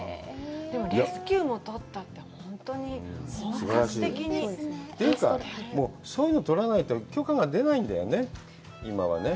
でも、レスキューも取ったって本当に本格的に。というか、そういうの取らないと許可が出ないんだよね、今はね。